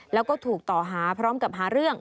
แล้วก็ถูกต่อหาพร้อมกับหาเรื่อง